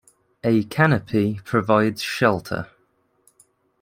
A canopy provides shelter.